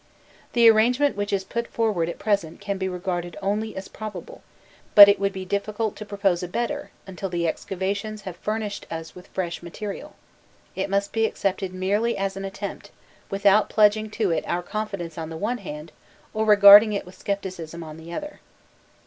The arrangement which is put forward at present can be regarded only as probable, but it would be difficult to propose a better until the excavations have furnished us with fresh material; it must be accepted merely as an attempt, without pledging to it our confidence on the one hand, or regarding it with scepticism on the other.